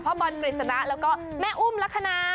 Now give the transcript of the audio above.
บอลกฤษณะแล้วก็แม่อุ้มลักษณะ